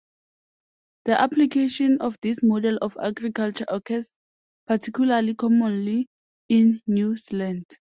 The application of this model of agriculture occurs particularly commonly in New Zealand.